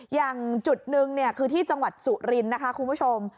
อย่างจุดหนึ่งคือที่จังหวัดสุรินทร์นะคะคุณผู้ชม